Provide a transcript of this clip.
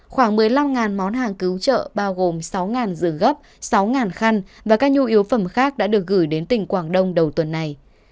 khoảng một mươi năm món hàng cứu trợ bao gồm sáu dường gấp sáu khăn và các nhu yếu phẩm khác đã được gửi đến tỉnh quảng đông đầu tuần này